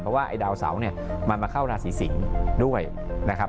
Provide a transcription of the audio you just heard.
เพราะว่าดาวเสาร์มาเข้าราศีสิงฯด้วยนะครับ